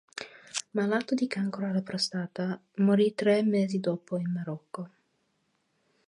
Malato di cancro alla prostata, morì tre mesi dopo in Marocco.